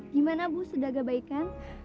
gimana bu sudah agak baik kan